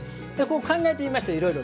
考えてみましたいろいろね。